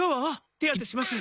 手当てします。